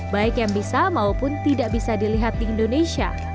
baik yang bisa maupun tidak bisa dilihat di indonesia